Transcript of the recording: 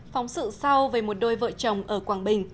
phóng sự sau về một đôi vợ chồng ở quảng bình